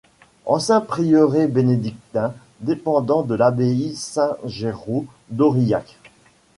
Ancien prieuré bénédictin dépendant de l'abbaye Saint-Géraud d'Aurillac.